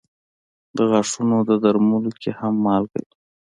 د غاښونو درملو کې هم مالګه وي.